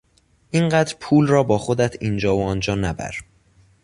این قدر پول را با خودت اینجا و آنجا نبر!